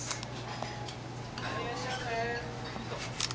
・いらっしゃいませ。